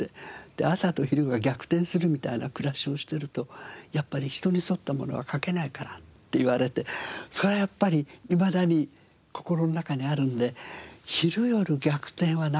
「朝と昼が逆転するみたいな暮らしをしてるとやっぱり人に沿ったものは書けないから」って言われてそれはやっぱりいまだに心の中にあるので昼夜逆転はないですね。